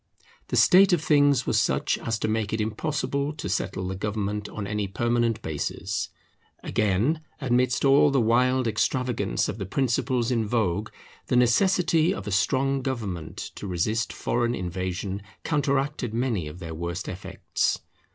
The state of things was such as to make it impossible to settle the government on any permanent basis. Again, amidst all the wild extravagance of the principles in vogue, the necessity of a strong government to resist foreign invasion counteracted many of their worst effects.